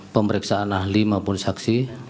pemeriksaan ahli maupun saksi